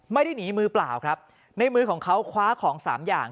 ไม่ได้หนีมือเปล่าครับในมือของเขาคว้าของสามอย่าง